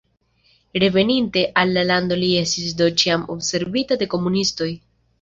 Reveninte al la lando li estis do ĉiam observita de komunistoj.